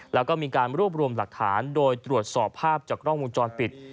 แล้วก็มีการรวบรวมหลักฐานโดยตรวจสอบภาพจากกล้องวงจรปิด